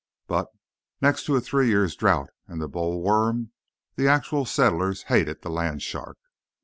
But, next to a three years' drought and the boll worm, the Actual Settler hated the Land shark.